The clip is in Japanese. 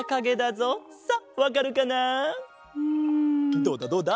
どうだどうだ？